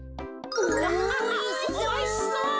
おいしそ！